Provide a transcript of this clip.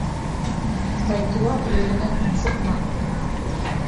Тай тулап, өйөрөнән сыҡмаҫ.